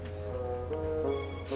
hubungan luar biasa